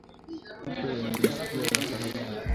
Kupe wenye masikio ya kahawia